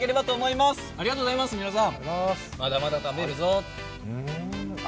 まだまだ食べるぞ。